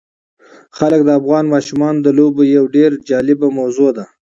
وګړي د افغان ماشومانو د لوبو یوه ډېره جالبه موضوع ده.